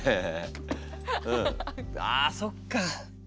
あそっか。